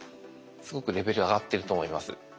すごくレベル上がってると思います。